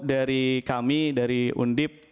dari kami dari undip